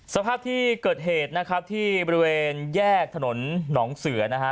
สภาพที่เกิดเหตุนะครับที่บริเวณแยกถนนหนองเสือนะฮะ